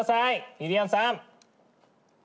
ゆりやんさん。